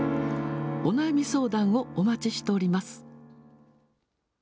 お悩み相談をお待ちしております。